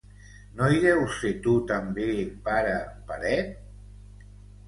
No hi deus ser tu també, pare paret?